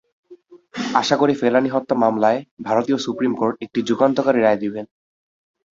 আশা করি, ফেলানী হত্যা মামলায় ভারতীয় সুপ্রিম কোর্ট একটি যুগান্তকারী রায় দেবেন।